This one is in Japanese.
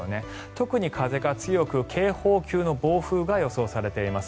特に風が強く、警報級の暴風が予想されています。